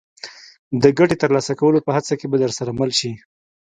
د ګټې ترلاسه کولو په هڅه کې به درسره مل شي.